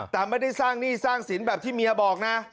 แต่ไม่ได้สร้างหนี้สร้างสินแบบที่เมียบอกนะ